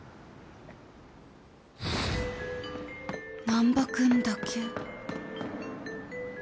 難破君だけ。